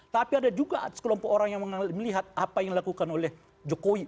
tapi ada juga sekelompok orang yang melihat apa yang dilakukan oleh jokowi